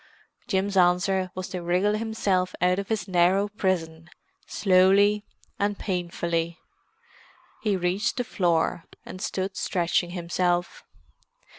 Jim's answer was to wriggle himself out of his narrow prison, slowly and painfully. He reached the floor, and stood stretching himself.